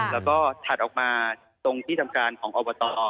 แล้วก็ถัดออกมาตรงที่ทำการของอบต